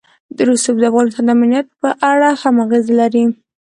رسوب د افغانستان د امنیت په اړه هم اغېز لري.